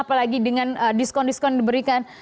apalagi dengan diskon diskon diberikan